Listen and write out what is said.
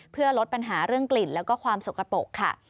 เพื่อลดปัญหาเรื่องกลิ่นแล้วก็ความสกปรกค่ะ